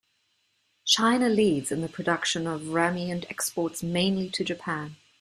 China leads in the production of ramie and exports mainly to Japan and Europe.